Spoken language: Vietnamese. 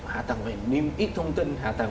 hạ tầng về niêm yết thông tin hạ tầng